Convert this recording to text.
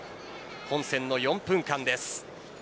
本戦の４分間です。